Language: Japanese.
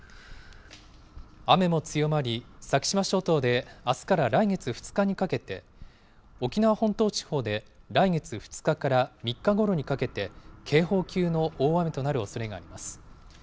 雨も強まり、先島諸島であすから来月２日にかけて、沖縄本島地方で来月２日から３日ごろにかけて、警報級の大雨となるおそれがあります。